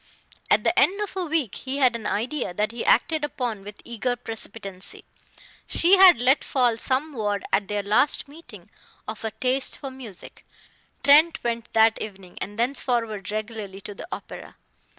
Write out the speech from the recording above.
At the end of a week he had an idea that he acted upon with eager precipitancy. She had let fall some word, at their last meeting, of a taste for music. Trent went that evening, and thenceforward regularly, to the opera.